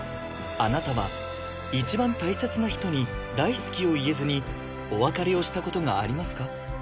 あなたは一番大切な人に大好きを言えずにお別れをしたことがありますか？